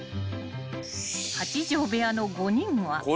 ［８畳部屋の５人は］